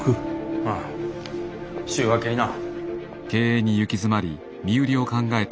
ああ週明けにな。